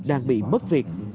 đang bị bất việt